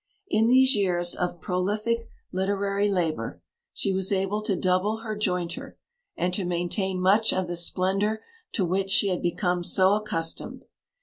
In these years of prolific literary labour she was able to double her jointure, and to maintain much of the splendour to which she had become so accustomed.